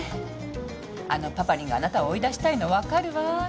あのパパリンがあなたを追い出したいの分かるわ。